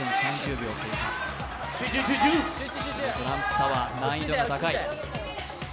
トランプタワー、難易度が高い。